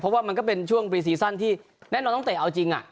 เพราะก็เป็นช่วงสีสันที่แน่นอนต้องเตะเอาจริง